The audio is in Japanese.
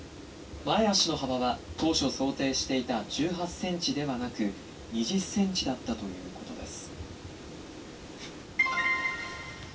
前足の幅は当初想定していた１８センチではなく２０センチだったということです」。